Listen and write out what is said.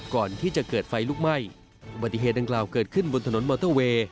ก่อนที่จะเกิดไฟลุกไหม้อุบัติเหตุดังกล่าวเกิดขึ้นบนถนนมอเตอร์เวย์